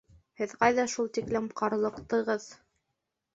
Һеҙ ҡайҙа шул тиклем ҡарлыҡтығыҙ?